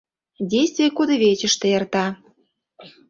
Действий кудывечыште эрта.